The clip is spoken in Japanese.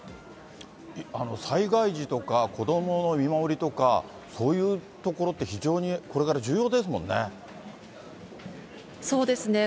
災害時とか子どもの見守りとか、そういうところって、非常にこれから重要ですもんね。